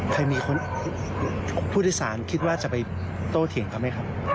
เคยมีคนผู้โดยสารคิดว่าจะไปโตเถียงเขาไหมครับ